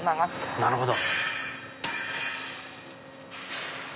あなるほど。